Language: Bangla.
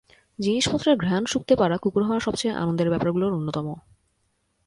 জিনিসপত্রের ঘ্রাণ শুঁকতে পারা কুকুর হওয়ার সবচেয়ে আনন্দের ব্যাপারগুলো অন্যতম।